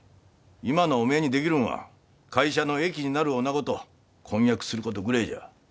今のおめえにできるんは会社の益になるおなごと婚約することぐれえじゃ。